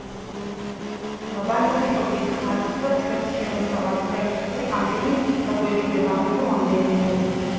ვანგარიშობდით ხარჯს და ჩვენს შემოსავალს: წელს პური ამდენი გაგვეყიდება, ღვინო ამდენიო.